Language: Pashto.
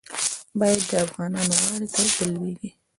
باید د افغانانو غاړې ته ولوېږي.